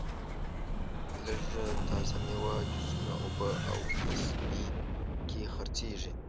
لږه تازه میوه جوسونه اوبه او تسبې په کې خرڅېږي.